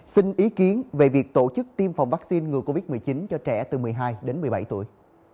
xin ý kiến về việc tổ chức tiêm phòng vaccine ngừa covid một mươi chín cho trẻ từ một mươi hai đến một mươi bảy tuổi